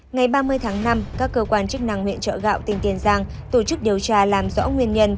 ngày ba mươi tháng năm các cơ quan chức năng huyện trợ gạo tỉnh tiền giang tổ chức điều tra làm rõ nguyên nhân